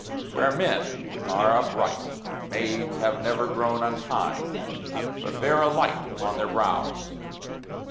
Where men are upright, maids have never grown Unkind, but bear a light upon their brows.